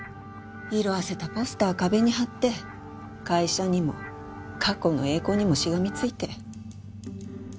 色あせたポスター壁に貼って会社にも過去の栄光にもしがみついて。